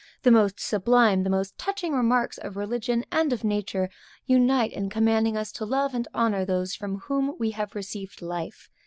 The most sublime, the most touching marks of religion and of nature unite in commanding us to love and honor those from whom we have received life.